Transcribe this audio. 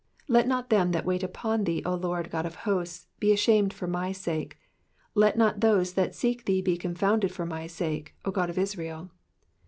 6 Let not them that wait on thee, O Lord GOD of hosts, be ashamed for my sake : let not those that seek thee be confounded for my sake, O God of Israel.